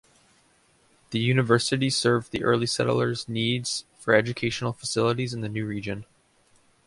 The university served the early settlers' needs for educational facilities in the new region.